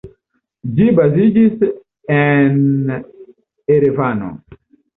Ĝi baziĝis en Erevano.